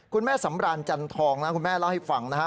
คุณแม่สำรานจันทองนะคุณแม่เล่าให้ฟังนะฮะ